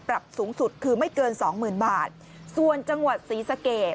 สูงสุดคือไม่เกินสองหมื่นบาทส่วนจังหวัดศรีสะเกด